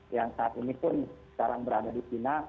yang saat ini pun sekarang berada di china